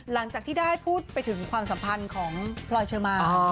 หลังจากที่ได้พูดไปถึงความสัมพันธ์ของพลอยเชอร์มาน